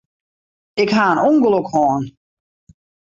Ik ha in ûngelok hân.